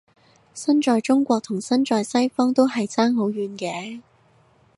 身在中國同身在西方都係爭好遠嘅